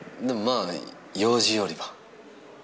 でもまあようじよりは。